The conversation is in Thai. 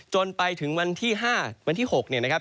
จนไปถึงวันที่๕วันที่๖เนี่ยนะครับ